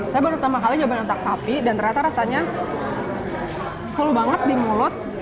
saya baru pertama kali nyobain otak sapi dan ternyata rasanya full banget di mulut